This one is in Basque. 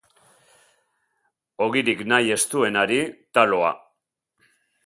Ogirik nahi ez duenari, taloa.